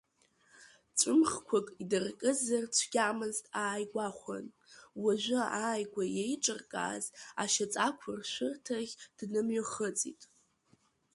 Ҵәымӷқәак идыркызар цәгьамызт ааигәахәын, уажәы ааигәа еиҿыркааз ашьаҵақәыршәырҭахь днымҩахыҵит.